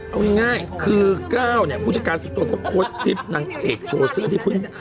เอาง่ายคือก้าวเนี่ยผู้จัดการส่วนตัวก็โพสต์คลิปนางเอกโชว์เสื้อที่เพิ่ง